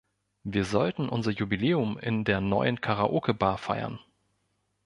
Wir sollten unser Jubiläum in der neuen Karaoke-Bar feiern.